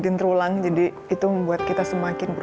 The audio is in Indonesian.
itu longest fucking siapa pake